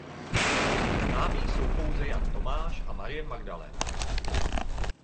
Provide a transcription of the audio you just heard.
Známi jsou pouze Jan Tomáš a Marie Magdalena.